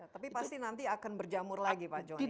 tapi pasti nanti akan berjamur lagi pak joni